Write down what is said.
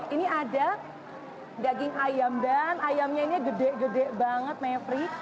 ini ada daging ayam dan ayamnya ini gede gede banget mevri